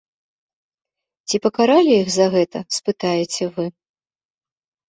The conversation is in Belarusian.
Ці пакаралі іх за гэта, спытаеце вы?